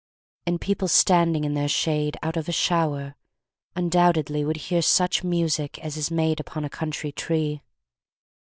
And people standing in their shade Out of a shower, undoubtedly Would hear such music as is made Upon a country tree.